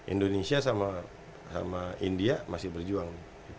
indonesia sama india masih berjuang